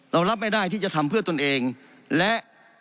เรารับไม่ได้ที่จะทำเพื่อตนเองและ